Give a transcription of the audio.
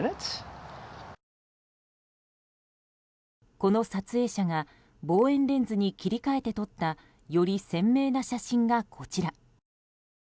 この撮影者が望遠レンズに切り替えて撮ったより鮮明な写真がこちら。